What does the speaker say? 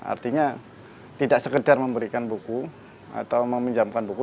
artinya tidak sekedar memberikan buku atau meminjamkan buku